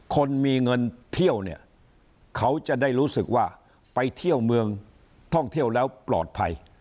คนมีเงินเที่ยวเนี่ยเขาจะได้รู้สึกว่าไปเที่ยวเมืองท่องเที่ยวแล้วปลอดภัย